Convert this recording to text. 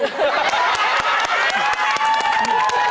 ฮ๊าวฮ่าวฮ๊าว